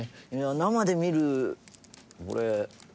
生で見るこれ。